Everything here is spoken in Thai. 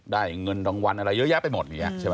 ได้เงินรางวัลอะไรเยอะแยะไปหมด